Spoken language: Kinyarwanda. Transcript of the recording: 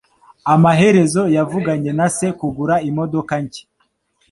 Amaherezo yavuganye na se kugura imodoka nshya.